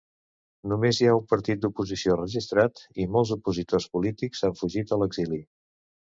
Només hi ha un partit d'oposició registrat i molts opositors polítics han fugit a l'exili.